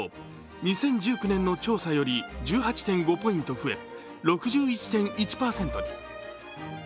２０１９年の調査より１８．５ポイント増え、６１．１％に。